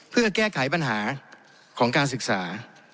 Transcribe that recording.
เพื่อแก้ไขปัญหาของการศึกษา